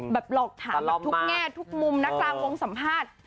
หลอกถามแบบทุกแง่ทุกมุมนะกลางวงสัมภาษณ์